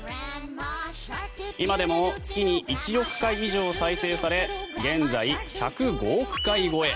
今でも月に１億回以上再生され現在、１０５億回超え。